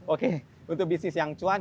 oke untuk bisnis yang cuan